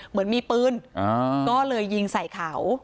เหมือนมีปืนก็เลยยิงใส่เขา